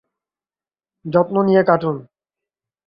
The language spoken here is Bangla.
যেভাবে যত্ন নিয়ে ছবিটির কাজ করা হচ্ছে তাতে সবারই ভালো লাগবে।